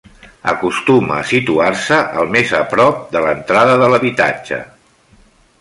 Acostuma a situar-se el més a prop de l'entrada de l'habitatge.